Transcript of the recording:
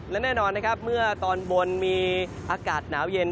และแน่นอนนะครับเมื่อตอนบนมีอากาศหนาวเย็น